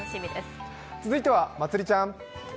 続いてはまつりちゃん。